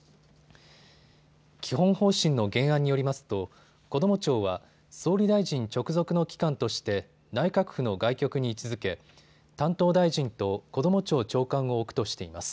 基本方針の原案によりますとこども庁は総理大臣直属の機関として内閣府の外局に位置づけ担当大臣とこども庁長官を置くとしています。